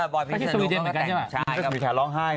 เขาจะแต่งข้างหลังไข่นะ